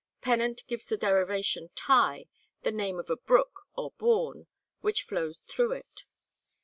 Pennant gives the derivation "Tye," the name of a brook or "bourne" which flowed through it.